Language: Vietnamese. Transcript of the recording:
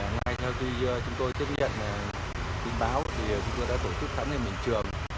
ngay sau khi chúng tôi tiếp nhận tin báo thì chúng tôi đã tổ chức khả năng bình trường